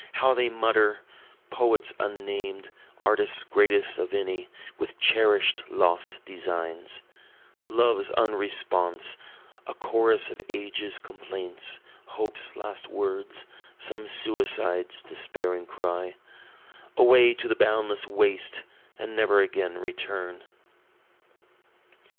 how they mutter! Poets unnamed artists greatest of any, with cherish'd lost designs, Love's unresponse a chorus of age's complaints hope's last words, Some suicide's despairing cry, Away to the boundless waste, and never again return.